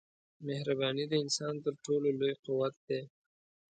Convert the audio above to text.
مهرباني د انسان تر ټولو لوی قوت دی.